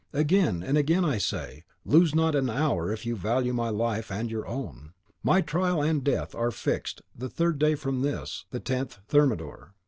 Again and again I say, 'Lose not an hour if you value my life and your own.' My trial and death are fixed the third day from this, the 10th Thermidor.